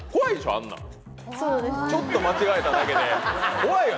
あんなんちょっと間違えただけで怖いよ